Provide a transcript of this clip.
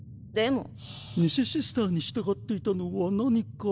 偽シスターに従っていたのは何か。